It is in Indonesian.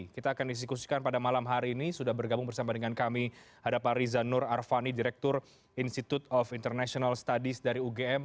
kita akan diskusikan pada malam hari ini sudah bergabung bersama dengan kami ada pak riza nur arfani direktur institute of international studies dari ugm